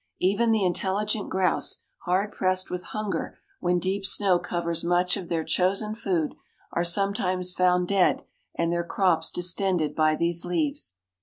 "Even the intelligent grouse, hard pressed with hunger when deep snow covers much of their chosen food, are sometimes found dead and their crops distended by these leaves."